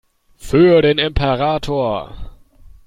Für den Imperator!